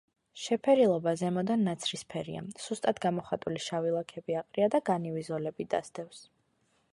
შეფერილობა ზემოდან ნაცრისფერია, სუსტად გამოხატული შავი ლაქები აყრია ან განივი ზოლები დასდევს.